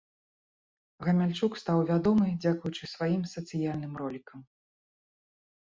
Гамяльчук стаў вядомым дзякуючы сваім сацыяльным ролікам.